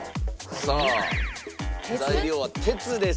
さあ材料は鉄です。